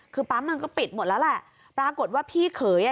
คือปั๊มมันก็ปิดหมดแล้วแหละปรากฏว่าพี่เขยอ่ะ